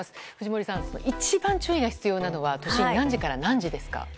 藤森さん、一番注意が必要なのは、都心、何時から何時ですか。